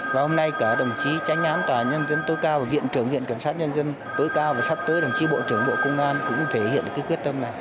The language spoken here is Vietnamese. và hôm nay cả đồng chí tranh án tòa nhân dân tối cao và viện trưởng viện kiểm sát nhân dân tối cao và sắp tới đồng chí bộ trưởng bộ công an cũng thể hiện được cái quyết tâm này